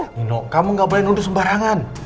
nino kamu gak boleh nuduh sembarangan